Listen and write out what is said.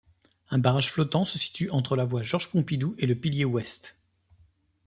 Un barrage flottant se situe entre la voie Georges-Pompidou et le pilier ouest.